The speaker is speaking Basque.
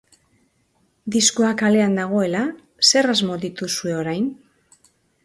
Diskoa kalean dagoela, zer asmo dituzue orain?